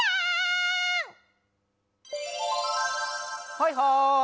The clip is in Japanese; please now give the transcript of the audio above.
はいはい！